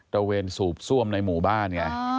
ระเวนสูบซ่วมในหมู่บ้านไง